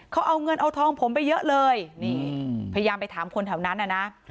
เขาเอาเงินเอาทองผมไปเยอะเลยนี่พยายามไปถามคนแถวนั้นน่ะนะ